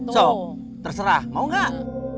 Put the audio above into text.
so terserah mau gak